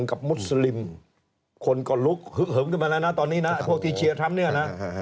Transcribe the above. มุสลิมคนก็ลุกฮึกเหิมขึ้นมาแล้วนะตอนนี้นะพวกที่เชียร์ทำเนี่ยนะ